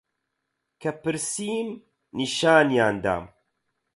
کە پرسیم نیشانیان دام